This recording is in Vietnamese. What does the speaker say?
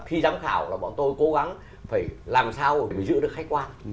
khi giám khảo là bọn tôi cố gắng phải làm sao để giữ được khách quan